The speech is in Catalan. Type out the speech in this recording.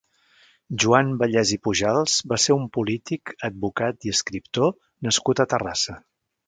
Joan Vallès i Pujals va ser un polític, advocat i escriptor nascut a Terrassa.